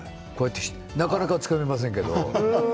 なかなかつかめませんけど。